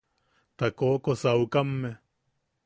Ta koʼokosukamme.